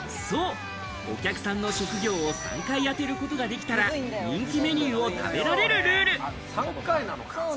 お客さんの職業を３回当てることができたら、人気メニューを食べられるルール。